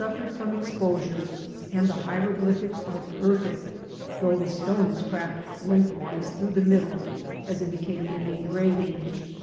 343 fered from exposure, and the hieroglyphics are perfect, though the stone is cracked lengthwise through the mid dle, as indicated in the engraving.